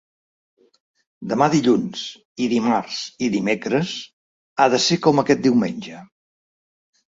Demà dilluns –i dimarts, i dimecres…– ha de ser com aquest diumenge.